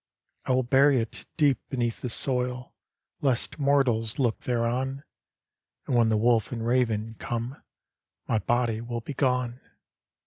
" I will bury it deep beneath the soil, Lest mortals look thereon, And when the wolf and raven come My body will be gone!